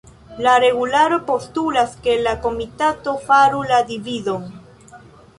la regularo postulas, ke la komitato faru la dividon.